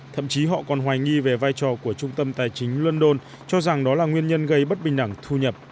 thậm chí họ còn hoài nghi về vai trò của trung tâm tài chính london cho rằng đó là nguyên nhân gây bất bình đẳng thu nhập